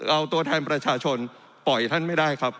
เอาตัวแทนประชาชนปล่อยท่านไม่ได้ครับ